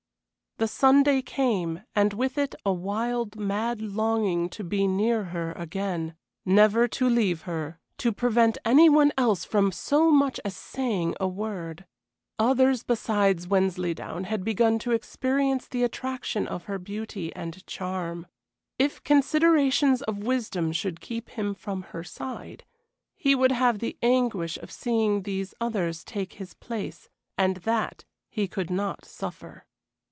The Sunday came, and with it a wild, mad longing to be near her again never to leave her, to prevent any one else from so much as saying a word. Others besides Wensleydown had begun to experience the attraction of her beauty and charm. If considerations of wisdom should keep him from her side, he would have the anguish of seeing these others take his place, and that he could not suffer.